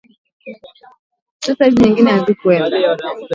Na ba kujicha nabo bana pashwa ku rima